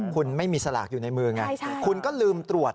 คุณไม่มีสลากอยู่ในมือไงคุณก็ลืมตรวจ